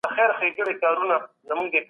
نوم یې له حماسې سره تړلی دی